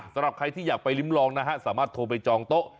สำหรับใครที่อยากไปริ้มลองนะฮะสามารถโทรไปจองโต๊ะ